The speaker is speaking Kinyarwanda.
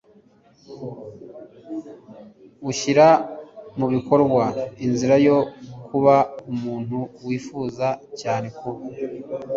ushyira mubikorwa inzira yo kuba umuntu wifuza cyane kuba